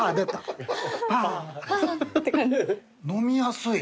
・飲みやすい。